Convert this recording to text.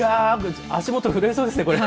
足元震えそうですね、これ。